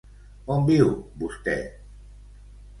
On viu, vostè?